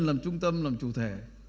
làm trung tâm làm chủ thể